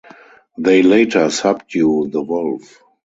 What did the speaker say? They later subdue The Wolf.